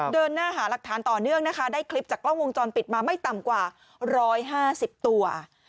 เดินหน้าหาหลักฐานต่อเนื่องนะคะได้คลิปจากกล้องวงจรปิดมาไม่ต่ำกว่า๑๕๐ตัว